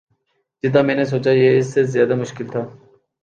جتنا میں نے سوچا یہ اس سے زیادہ مشکل تھا